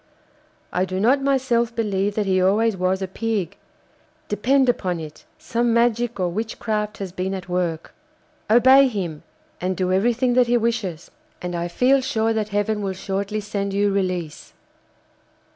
I do not myself believe that he always was a pig. Depend upon it some magic or witchcraft has been at work. Obey him, and do everything that he wishes, and I feel sure that Heaven will shortly send you release.